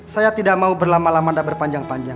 saya tidak mau berlama lama tidak berpanjang panjang